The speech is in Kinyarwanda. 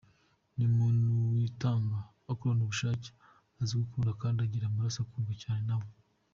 Ni umuntu witanga, ukorana ubushake, uzi gukunda kandi ugira amaraso akundwa cyane nawe.